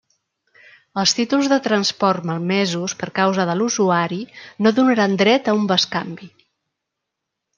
Els títols de transport malmesos per causa de l'usuari no donaran dret a un bescanvi.